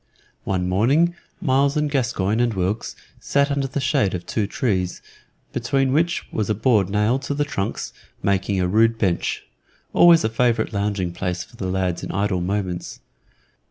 One morning Myles and Gascoyne and Wilkes sat under the shade of two trees, between which was a board nailed to the trunks, making a rude bench always a favorite lounging place for the lads in idle moments.